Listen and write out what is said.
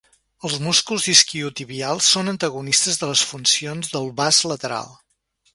Els músculs isquiotibials són antagonistes de les funcions del vast lateral.